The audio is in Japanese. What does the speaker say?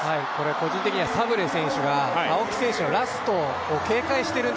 個人的にはサブレ選手が青木選手のラストを警戒しているん